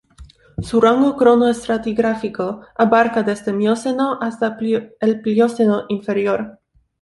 Su rango cronoestratigráfico abarca desde el Mioceno hasta el Plioceno inferior.